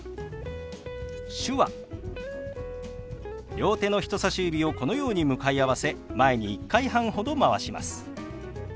両手の人さし指をこのように向かい合わせ前に１回半ほどまわします。